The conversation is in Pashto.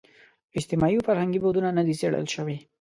اجتماعي او فرهنګي بعدونه نه دي څېړل شوي.